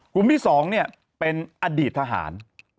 กลุ่มที่๒เป็นอดีตทหาร